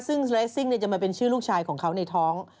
ซึ่งเลสซิ่งจะมาเป็นชื่อลูกชายของเขาในท้อง